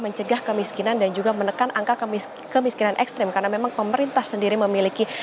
mencegah kemiskinan dan juga menekan angka kemiskinan ekstrim karena memang pemerintah sendiri memiliki